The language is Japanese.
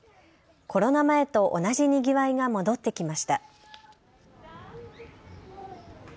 コロナ前と同じにぎわいが戻ってきました。